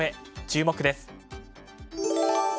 注目です。